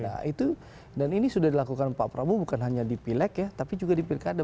nah itu dan ini sudah dilakukan pak prabowo bukan hanya di pileg ya tapi juga di pilkada